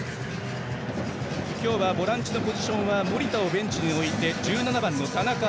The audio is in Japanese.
今日はボランチのポジションは守田をベンチに置いて１７番の田中碧